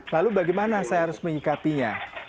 lalu bagaimana saya harus menyikapinya